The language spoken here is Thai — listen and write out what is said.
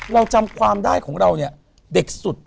เราจำความได้ของเราเนี่ยเด็กสุด